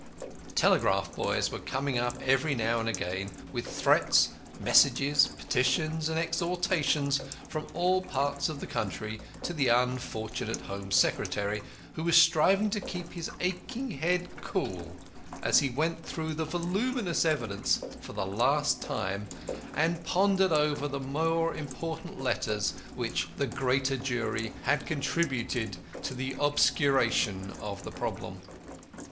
Telegraph boys were coming up every now and again with threats, messages, petitions, and exhortations from all parts of the country to the unfortunate Home Secretary, who was striving to keep his aching head cool as he went through the voluminous evidence for the last time and pondered over the more important letters which "The Greater Jury" had contributed to the obscuration of the problem.